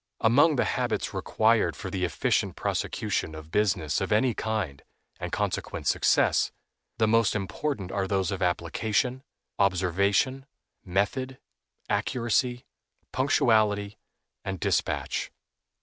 Among the habits required for the efficient prosecution of business of any kind, and consequent success, the most important are those of application, observation, method, accuracy, punctuality, and dispatch.